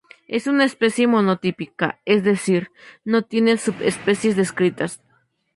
Es una especie monotípica, es decir, no tiene subespecies descritas.